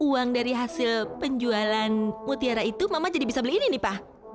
uang dari hasil penjualan mutiara itu mama jadi bisa beliin ini pa